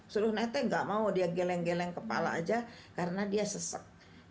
suruh nete gak mau dia geleng geleng kepala aja karena dia sesek